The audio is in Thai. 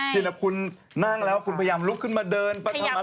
ทีนี้นะคะคุณนั่งแล้วพยายามลุกขึ้นมาเดิน